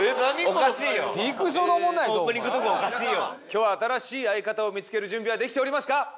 今日新しい相方を見付ける準備はできておりますか？